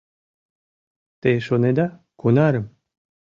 Те шонеда, кунарым?